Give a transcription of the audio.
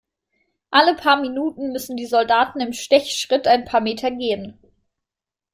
Alle paar Minuten müssen die Soldaten im Stechschritt ein paar Meter gehen.